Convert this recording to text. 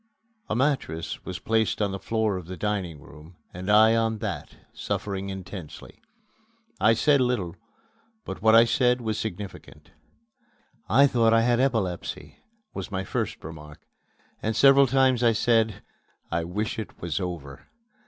A mattress was placed on the floor of the dining room and I on that, suffering intensely. I said little, but what I said was significant. "I thought I had epilepsy!" was my first remark; and several times I said, "I wish it was over!"